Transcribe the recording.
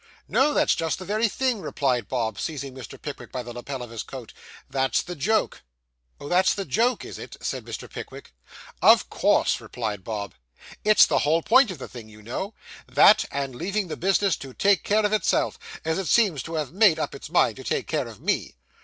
'No, that's just the very thing,' replied Bob, seizing Mr. Pickwick by the lappel of his coat. 'That's the joke.' 'Oh, that's the joke, is it?' said Mr. Pickwick. 'Of course,' replied Bob. 'It's the whole point of the thing, you know that, and leaving the business to take care of itself, as it seems to have made up its mind not to take care of me.